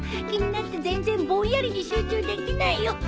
気になって全然ぼんやりに集中できないよ。